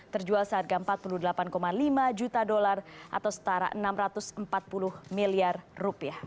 terjual seharga empat puluh delapan lima juta dolar atau setara enam ratus empat puluh miliar rupiah